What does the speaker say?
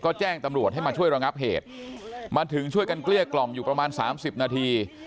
ก็แจ้งตำรวจให้มาช่วยระงับเหตุมาถึงช่วยกันเกลี้ยกล่อมอยู่ประมาณสามสิบนาที